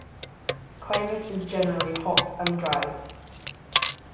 The climate is generally hot and dry.